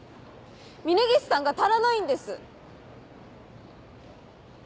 峰岸さんが足らないんです！